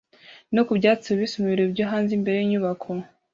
no ku byatsi bibisi mu birori byo hanze imbere yinyubako